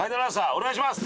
お願いします！